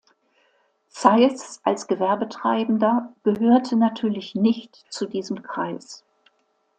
Zeiß als Gewerbetreibender gehörte natürlich nicht zu diesem Kreis.